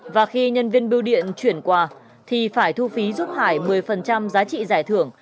và khi nhân viên biêu điện chuyển quà thì phải thu phí giúp hải một mươi giá trị giải thưởng